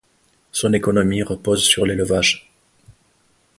Son économie repose sur l'élevage.